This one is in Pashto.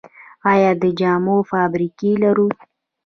آیا د جامو فابریکې لرو؟